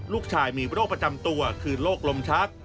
ลูกชายมีโรคประจำตัวคือโรคลมชัก